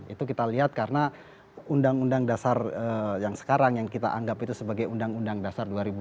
itu kita lihat karena undang undang dasar yang sekarang yang kita anggap itu sebagai undang undang dasar dua ribu dua puluh